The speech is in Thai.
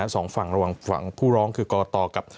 สองฝั่งระหว่างฝั่งผู้ร้องคือกตกับ